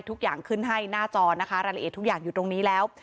ทุกอย่างขึ้นให้หน้าจอนะคะรายละเอียดทุกอย่างอยู่ตรงนี้แล้ว